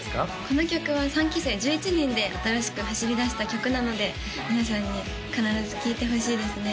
この曲は３期生１１人で新しく走りだした曲なので皆さんに必ず聴いてほしいですね